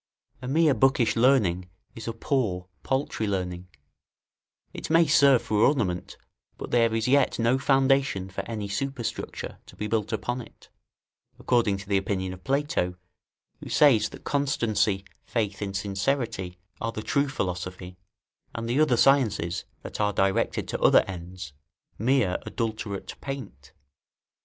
A mere bookish learning is a poor, paltry learning; it may serve for ornament, but there is yet no foundation for any superstructure to be built upon it, according to the opinion of Plato, who says, that constancy, faith, and sincerity, are the true philosophy, and the other sciences, that are directed to other ends; mere adulterate paint.